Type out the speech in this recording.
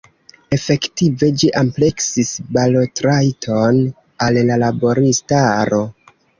Efektive, ĝi ampleksis balotrajton al laboristaro.